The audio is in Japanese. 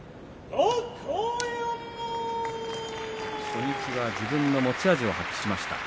初日は自分の持ち味を発揮しました。